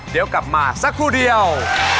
เดี๋ยวกลับมาสักครู่เดียว